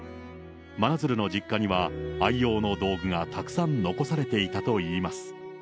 真鶴の実家には、愛用の道具がたくさん残されていたといいます。